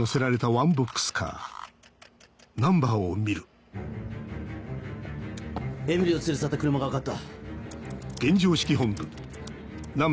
えみりを連れ去った車が分かった。